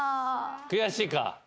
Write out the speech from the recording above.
悔しいか？